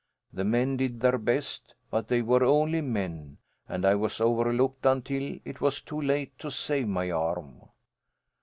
The men did their best, but they were only men, and I was overlooked until it was too late to save my arm.